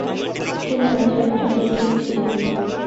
কুমু আজ রাত্রে প্রস্তুত ছিল না।